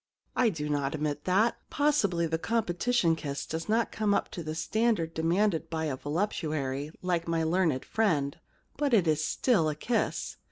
I do not admit that. Possibly the com petition kiss does not come up to the standard demanded by a voluptuary like my learned friend, but it is still a kiss.